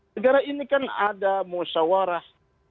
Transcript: negara ini kan ada musyawarah